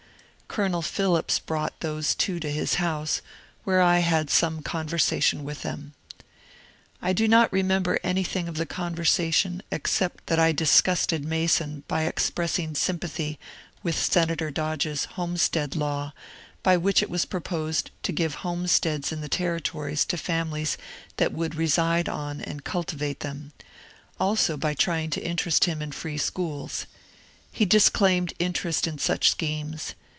Colonel Phillips brought those two to his house, where I had some conversation with them. I do not remember anything of the conversation except that I disgusted Mason by express ing sympathy with Senator Dodge's ^^ Homestead Law," by which it was proposed to give homesteads in the territories to families that would reside on and cultivate them ; also by try ing to interest him in free schools. He disclaimed interest in such schemes.